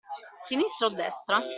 Sinistra o destra?